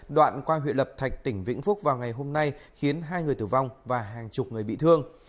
đoạn qua huyện lập thạch tỉnh vĩnh phúc vào ngày hôm nay khiến hai người tử vong và hàng chục người bị thương